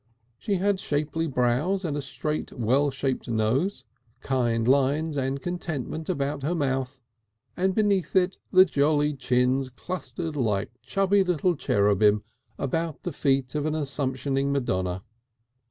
She had shapely brows and a straight, well shaped nose, kind lines and contentment about her mouth, and beneath it the jolly chins clustered like chubby little cherubim about the feet of an Assumptioning Madonna.